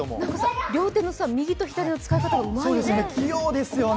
両手の右と左の使い方がうまいですよね。